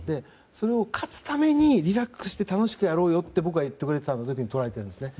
勝つためにリラックスして楽しくやろうよと言ってくれたと僕は捉えているんですね。